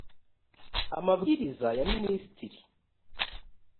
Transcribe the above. amabwiriza ya minisitiri